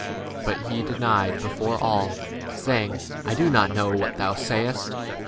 But he denied before them all, saying, I know not what thou sayest.